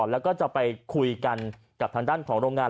แล้วก็จะไปคุยกันกับทางด้านของโรงงาน